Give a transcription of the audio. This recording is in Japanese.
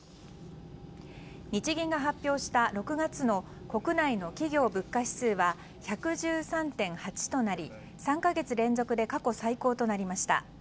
日銀が発表した６月の国内の企業物価指数は１１３．８となり３か月連続で過去最高となりました。